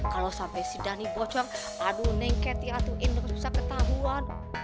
kalo sampe si dany bocor aduh neng ketiatu inder susah ketahuan